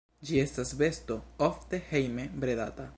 Ĝi estas besto ofte hejme bredata.